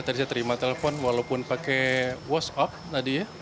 tadi saya terima telepon walaupun pakai whatsapp tadi ya